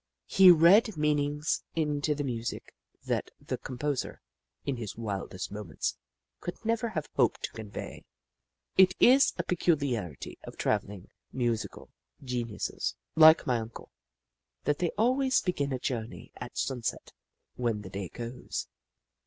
He read meanings into the music that the com poser, in his wildest moments, could never have hoped to convey. It is a peculiarity of travelling musical geniuses, like my Uncle, Hoop~La 167 that they always begin a journey at sunset, when the day goes.